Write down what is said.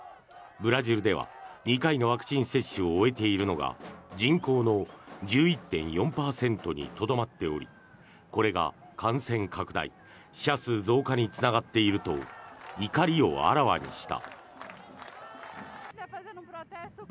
ブラジルでは２回のワクチン接種を終えているのが人口の１１．４％にとどまっておりこれが感染拡大死者数増加につながっていると怒りをあらわにした。